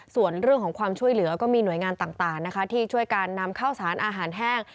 ส่วนเรื่องของความช่วยเหลือก็มีหน่วยงานต่างนะคะที่ช่วยการนำข้าวสารอาหารแห้ง